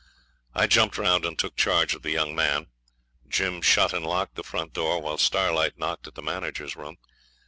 I jumped round and took charge of the young man. Jim shut and locked the front door while Starlight knocked at the manager's room.